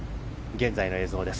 現在の映像です。